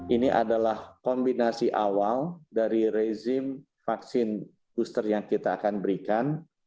ini adalah kombinasi awal dari rezim vaksin booster yang kita akan berikan